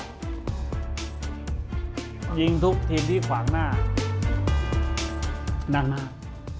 ยิงทุกทีมที่ขวางหน้าดังมาก